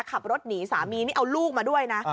ขับรถหนีสามีนี่เอาลูกมาด้วยนะ